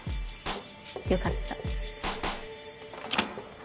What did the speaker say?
よかった。